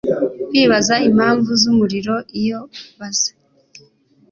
kwibaza impamvu zumuriro Iyo baza